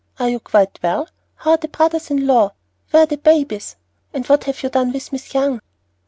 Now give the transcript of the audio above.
Are you quite well? How are the brothers in law? Where are the babies, and what have you done with Miss Young?"